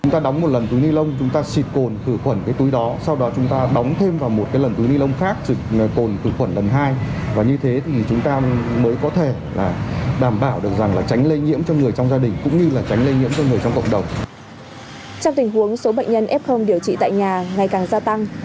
trong tình huống số bệnh nhân f điều trị tại nhà ngày càng gia tăng